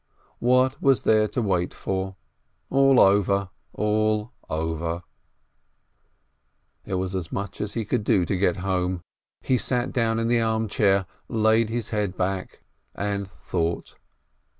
What was there to wait for ? All over !— all over !— It was as much as he could do to get home. He sat down in the arm chair, laid his head back, and thought.